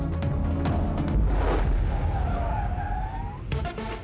aku terus mengunduhnya